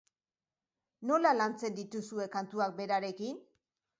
Nola lantzen dituzue kantuak berarekin?